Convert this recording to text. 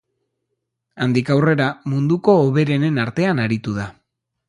Handik aurrera munduko hoberenen artean aritu da.